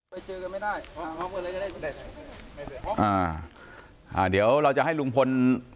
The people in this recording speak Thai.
ไปเจอกันไม่ได้เลยอ่าอ่าเดี๋ยวเราจะให้ลุงพล